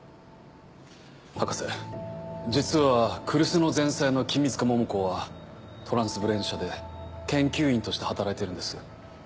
博士実は来栖の前妻の君塚桃子はトランスブレインズ社で研究員として働いているんです。